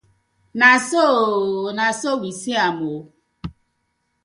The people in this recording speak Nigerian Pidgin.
Na so ooo!